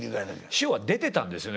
師匠は出てたんですよね